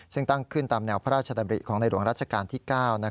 ซึ่งตั้งขึ้นตามแนวพระราชดำริของในหลวงรัชกาลที่๙